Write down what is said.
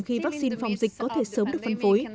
khi vắc xin phòng dịch có thể sớm được phân phối